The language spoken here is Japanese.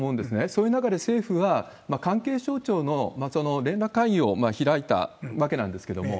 そういう中で、政府が、関係省庁の連絡会議を開いたわけなんですけれども、